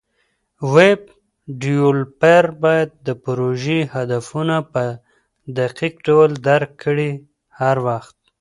ویب ډیولپر باید د پروژې هدفونه په دقیق ډول درک کړي هر وخت.